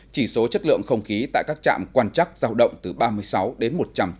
chỉ số chất lượng không khí tại các trạm quan chắc giao động từ ba mươi sáu đến một trăm chín mươi chín